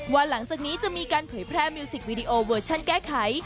หลังจากนี้จะมีการเผยแพร่มิวสิกวีดีโอเวอร์ชั่นแก้ไข